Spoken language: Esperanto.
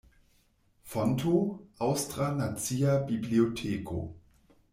Fonto: Aŭstra Nacia Biblioteko.